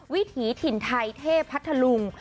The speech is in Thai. วิถีถิ่นไทยเทพัทธลุง